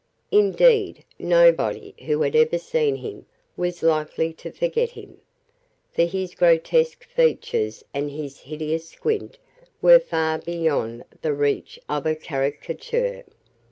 Indeed, nobody who had ever seen him was likely to forget him. For his grotesque features and his hideous squint were far beyond the reach of caricature.